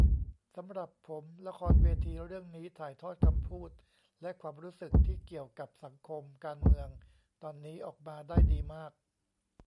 สำหรับผมละครเวทีเรื่องนี้ถ่ายทอดคำพูด และความรู้สึกที่เกี่ยวกับสังคมการเมืองตอนนี้ออกมาได้ดีมาก